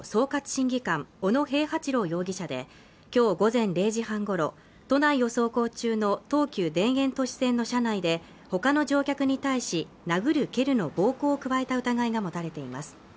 審議官・小野平八郎容疑者で今日午前０時半ごろ都内を走行中の東急田園都市線の車内でほかの乗客に対し殴る蹴るの暴行を加えた疑いが持たれています